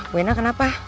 bu endang kenapa